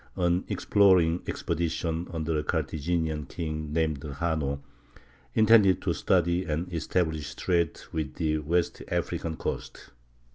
an exploring expedition under a Carthaginian king named Hanno, intended to study and establish trade with the West African coast.